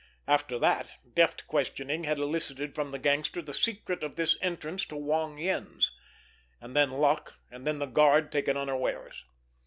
After that, deft questioning had elicited from the gangster the secret of this entrance to Wong Yen's, and then luck, and then the guard taken unawares.